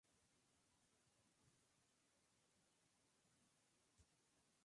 El apodo definía una de las características personales del conde británico.